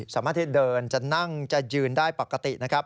สามารถที่เดินจะนั่งจะยืนได้ปกตินะครับ